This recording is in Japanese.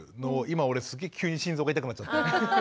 今俺すげえ急に心臓が痛くなっちゃって。